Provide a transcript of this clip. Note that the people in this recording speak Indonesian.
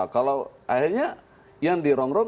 kalau akhirnya yang di rong rong